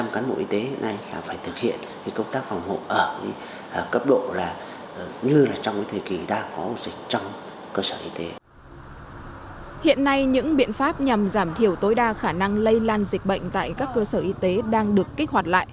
một trăm linh cán bộ y tế phải thực hiện công tác phòng hộ ở cấp độ như trong thời kỳ đang có dịch